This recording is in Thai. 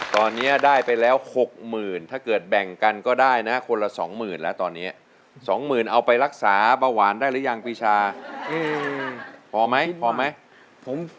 ตอนนี้ได้ไปแล้ว๖๐๐๐ถ้าเกิดแบ่งกันก็ได้นะคนละสองหมื่นแล้วตอนนี้๒๐๐๐เอาไปรักษาเบาหวานได้หรือยังปีชาพอไหมพอไหม